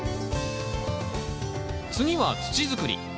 次は土づくり。